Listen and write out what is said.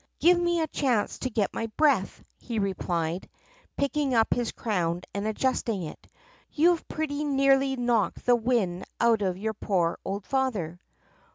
" 'Give me a chance to get my breath,' he replied, picking up his crown and adjusting it; 'you have pretty nearly knocked the wind out of your poor old father.